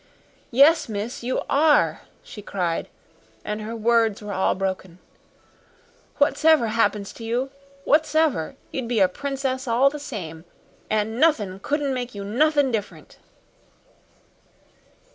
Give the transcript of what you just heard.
"Yes, miss, you are," she cried, and her words were all broken. "Whats'ever 'appens to you whats'ever you'd be a princess all the same an' nothin' couldn't make you nothin' different."